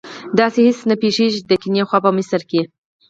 داسې هېڅ نه پیښیږي چې د کیڼي خوا په مصره کې.